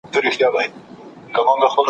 د وژل سوي کورنۍ بايد قاتل ته بخښنه وکړي.